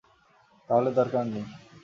তাহলে দরকার নেই।